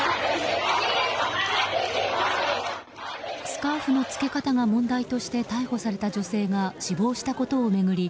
スカーフの着け方が問題として逮捕された女性が死亡したことを巡り